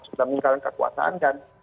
sudah meninggal kekuasaan dan